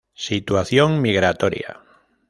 Situación migratoria.